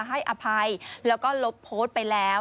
ให้อภัยแล้วก็ลบโพสต์ไปแล้ว